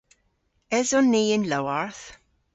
Eson ni y'n lowarth?